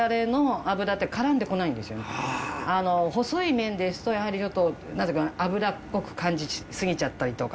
細い麺ですとやはりちょっと脂っこく感じすぎちゃったりとか。